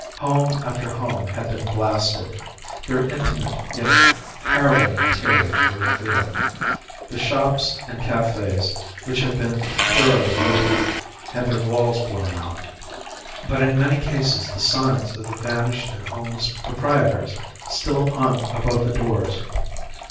Home after home had been blasted their intimate yet harrowing interiors were revealed. The shops and cafes, which had been thoroughly looted, had their walls blown out, but in many cases the signs of the vanished and homeless proprietors still hung above the doors.